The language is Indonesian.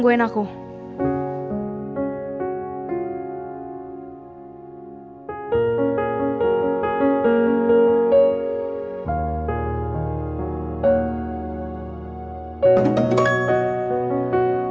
kalau langsung jadi sek exhibet